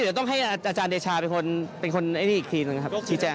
เดี๋ยวต้องให้อาจารย์เดชาเป็นคนเป็นคนไอ้นี่อีกทีหนึ่งครับชี้แจง